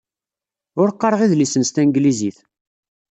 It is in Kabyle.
Ur qqareɣ idlisen s tanglizit.